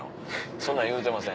そんなん言うてません。